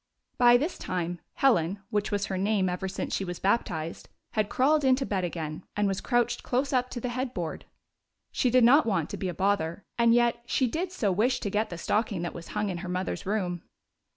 By this time Helen — which was her name ever since she was baptized — had crawled into bed again, and was crouched close up to the headboard. She did not want to be a bother, and yet she did so wish to get the stocking that was hung in her mother's room.